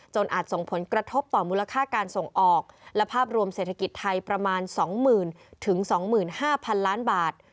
อาจส่งผลกระทบต่อมูลค่าการส่งออกและภาพรวมเศรษฐกิจไทยประมาณ๒๐๐๐๒๕๐๐๐ล้านบาท